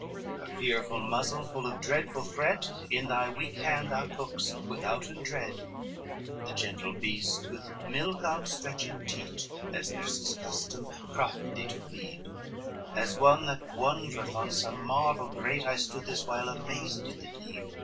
XXXI "Her fearful muzzle full of dreadful threat, In thy weak hand thou took'st withouten dread; The gentle beast with milk outstretched teat, As nurses' custom, proffered thee to feed. As one that wondereth on some marvel great, I stood this while amazed at the deed.